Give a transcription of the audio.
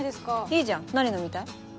いいじゃん何飲みたい？